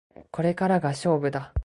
これからが勝負だ